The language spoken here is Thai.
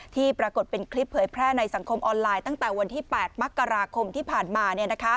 ที่ปรากฏเป็นคลิปเผยแพร่ในสังคมออนไลน์ตั้งแต่วันที่๘มกราคมที่ผ่านมา